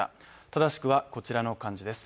正しくはこちらの漢字です。